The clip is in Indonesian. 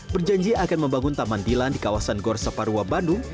berjanji akan membangun taman dilan di kawasan gor saparua bandung